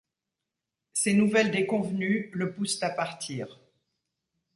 Ces nouvelles déconvenues le poussent à partir.